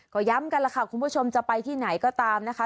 ก็ย้ำกันล่ะค่ะคุณผู้ชมจะไปที่ไหนก็ตามนะคะ